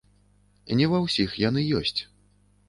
Не ва ўсіх яны ёсць.